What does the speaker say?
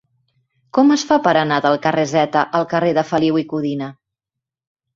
Com es fa per anar del carrer Zeta al carrer de Feliu i Codina?